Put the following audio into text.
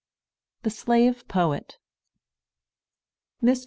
THE SLAVE POET. Mr.